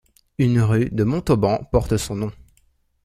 Une rue de Montauban porte son nom.